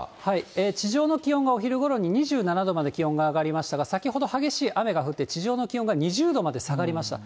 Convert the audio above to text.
地上の気温がお昼ごろに２７度まで気温が上がりましたが、先ほど激しい雨が降って地上の気温が２０度まで下がりました。